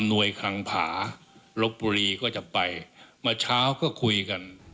ทางผ่าลกปุรีก็จะไปมาเช้าก็คุยกัน